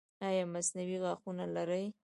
ایا مصنوعي غاښونه لرئ؟